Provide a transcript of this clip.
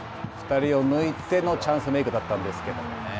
２人を抜いてのチャンスメークだったんですけどね。